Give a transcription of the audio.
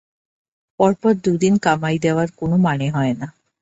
পরপর দু দিন কামাই দেওয়ার কোনো মানে হয় না।